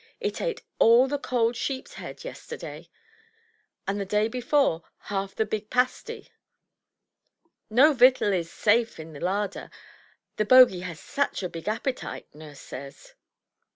It ate all the cold sheep's head yesterday, and the day before half the big pasty. No victual is safe in the larder, the Bogie has such a big appetite, nurse says."